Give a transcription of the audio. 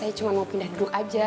saya cuma mau pindah duduk aja